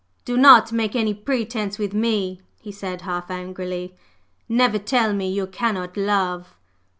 "Do not make any pretence with me!" he said half angrily. "Never tell me you cannot love!